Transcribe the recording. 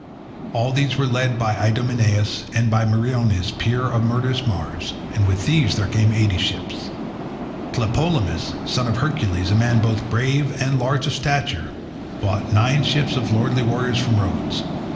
All these were led by Idomeneus, and by Meriones, peer of murderous Mars. And with these there came eighty ships. Tlepolemus, son of Hercules, a man both brave and large of stature, brought nine ships of lordly warriors from Rhodes.